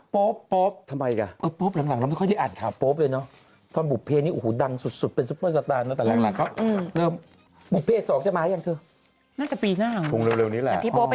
พี่โป๊ปไปทำอะไรไว้มีอะไรเกิดขึ้นกับเรื่องของพี่โป๊ป